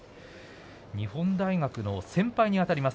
日本大学の先輩にあたります。